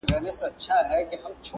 سپین غر لوبدلې او مینه والو ته